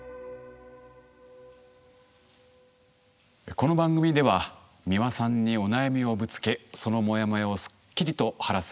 この番組では美輪さんにお悩みをぶつけそのモヤモヤをすっきりと晴らすヒントを頂きます。